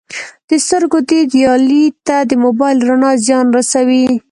د سترګو دید یا لید ته د موبایل رڼا زیان رسوي